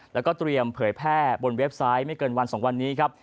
แล้วก็เตรียมเผยแพร่บนเว็บไซต์ไม่เกินวัน๒วันนี้ครับ